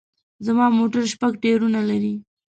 زما موټر شپږ ټیرونه لري